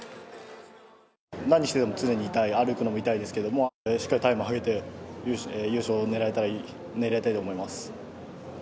何してても常に痛い、歩くのも痛いですけども、しっかりタイムを上げて、優勝を狙いたいと思います。